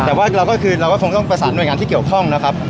แต่ว่าเราก็คือเราก็คงต้องประสานหน่วยงานที่เกี่ยวข้องนะครับ